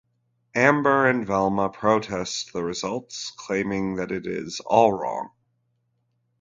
Amber and Velma protest the results, claiming that it is all wrong.